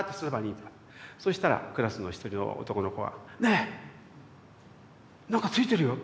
そしたらクラスの一人の男の子が「ねえ何かついてるよ」。